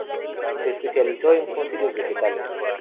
Se especializó en fósiles vegetales.